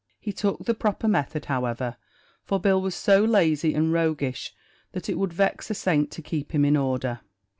He took the proper method, however, for Bill was so lazy and roguish that it would vex a saint to keep him in order.